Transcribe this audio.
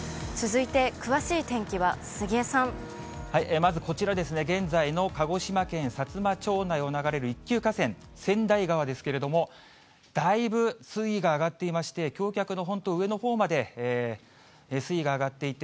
まずこちらですね、現在の鹿児島県さつま町内を流れる一級河川、川内川ですけれども、だいぶ水位が上がっていまして、きょう脚の本当上のほうまで水位が上がっていて、